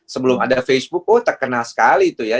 sebelum ada facebook oh terkenal sekali tuh ya